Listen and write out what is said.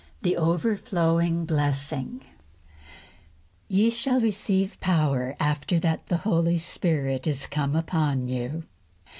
THE OVERFLOWING BLESSING. "Ye shall receive power after that the Holy Ghost is come upon you."